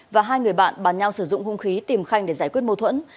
và hai người bạn bàn nhau sử dụng hung khí tìm khanh để giải quyết mâu thuẫn